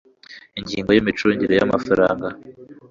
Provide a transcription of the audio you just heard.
ingingo y'imicungire y amafaranga